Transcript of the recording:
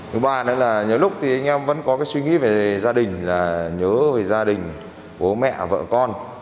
thứ ba nữa là nhiều lúc thì anh em vẫn có cái suy nghĩ về gia đình là nhớ về gia đình bố mẹ vợ con